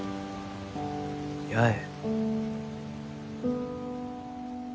八重。